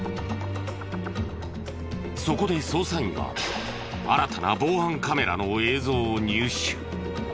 そこで捜査員は新たな防犯カメラの映像を入手。